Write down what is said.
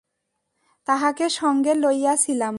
তাহাকে সঙ্গে লইয়াছিলাম।